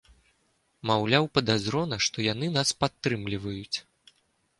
Маўляў, падазрона, што яны нас падтрымліваюць.